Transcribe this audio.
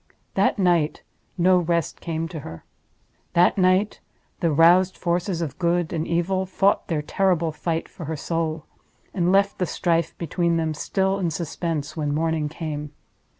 That night no rest came to her. That night the roused forces of Good and Evil fought their terrible fight for her soul—and left the strife between them still in suspense when morning came.